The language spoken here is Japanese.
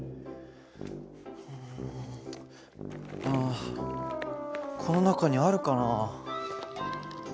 あこの中にあるかな？